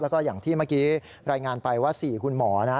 แล้วก็อย่างที่เมื่อกี้รายงานไปว่า๔คุณหมอนะ